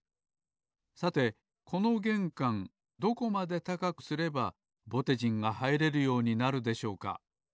さてこのげんかんどこまで高くすればぼてじんがはいれるようになるでしょうか？